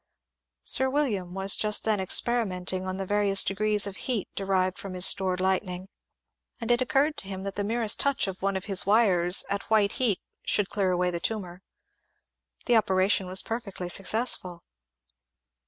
Sir William was just then experimenting on the various degrees of heat derived from his stored lightning, and it occurred to him that the merest touch of one of his wires at white heat could clear away the tumour. The operation was perfectly successful.